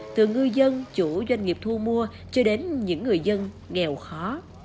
từ ngư dân chủ doanh nghiệp thu mua cho đến những người dân nghèo khó